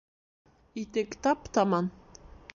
Итек тап-таман